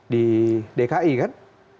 di dki kan